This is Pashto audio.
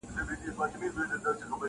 څه دولت به هم ترلاسه په ریشتیا کړې -